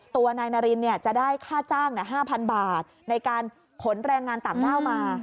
ตัวนายนารินจะได้ค่าจ้าง๕๐๐๐บาทในการขนแรงงานต่างด้าวมา